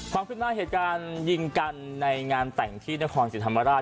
ความคืบหน้าเหตุการณ์ยิงกันในงานแต่งที่นครศรีธรรมราช